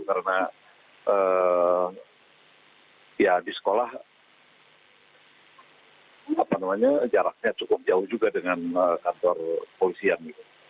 karena di sekolah jaraknya cukup jauh juga dengan kantor kepolisian